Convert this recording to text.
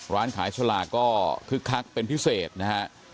ร้านขายสลากก็คึกคักเป็นพิเศษนะฮะ